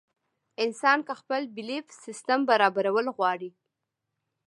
انسان کۀ خپل بيليف سسټم برابرول غواړي